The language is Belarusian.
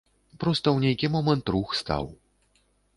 Проста ў нейкі момант рух стаў.